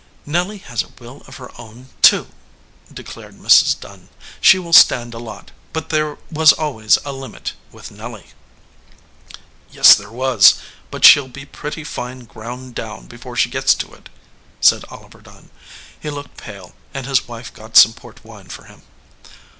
"Nelly has a will of her own, too," declared Mrs. Dunn. "She will stand a lot, but there was always a limit with Nelly." "Yes, there was, but she ll be pretty fine ground down before she gets to it," said Oliver Dunn. He looked pale, and his wife got some port wine for him.